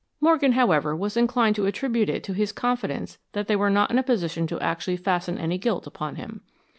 Morgan, however, was inclined to attribute it to his confidence that they were not in a position to actually fasten any guilt upon him.